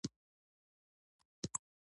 له هغوی سره تعامل اسانه و.